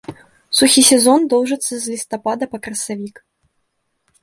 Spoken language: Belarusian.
Сухі сезон доўжыцца з лістапада па красавік.